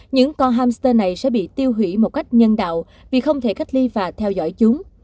những con hamster này sẽ bị tiêu hủy một cách nhân đạo vì không thể cách ly và theo dõi chúng